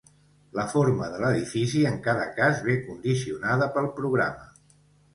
La forma de l'edifici en cada cas ve condicionada pel programa.